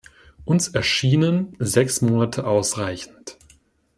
Uns erschienen sechs Monate ausreichend.